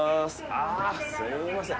あぁ、すいません。